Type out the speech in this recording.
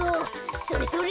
それそれ。